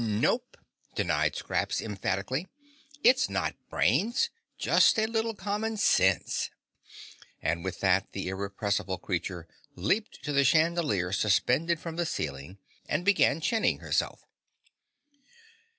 "Nope!" denied Scraps emphatically. "It's not brains just a little common sense." And with that the irrepressible creature leaped to the chandelier suspended from the ceiling and began chinning herself.